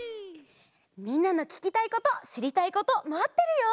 みんなのききたいことしりたいことまってるよ！